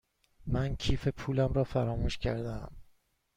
من کیف پولم را فراموش کرده ام.